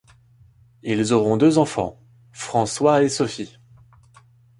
Ils auront deux enfants, François et Sophie.